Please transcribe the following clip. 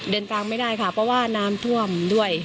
กลางไม่ได้ค่ะเพราะว่าน้ำท่วมด้วย